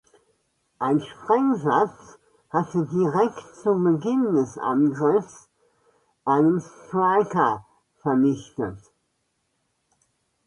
Ein Sprengsatz hatte direkt zu Beginn des Angriffs einen Stryker vernichtet.